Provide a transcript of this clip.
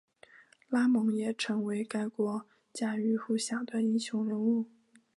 拉蒙也成为该国家喻户晓的英雄人物。